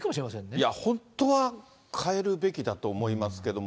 いや、本当は変えるべきだと思いますけれども。